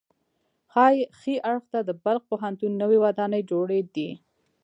ښي اړخ ته د بلخ پوهنتون نوې ودانۍ جوړې دي.